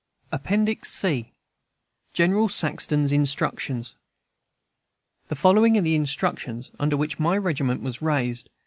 Appendix C General Saxton's Instructions [The following are the instructions under which my regiment was raised.